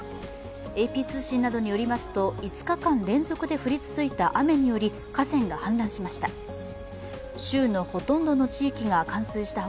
ＡＰ通信などによりますと５日間連続で降り続いた雨により河川が氾濫しました。